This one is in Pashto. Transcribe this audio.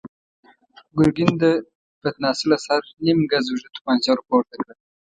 ګرګين د پتناسه له سره نيم ګز اوږده توپانچه ور پورته کړه.